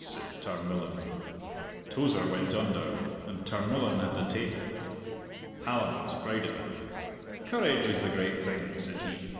said Tarmillan. Tozer went under, and Tarmillan had the table. Allan was proud of him. "Courage is the great thing," said he.